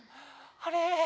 あれ？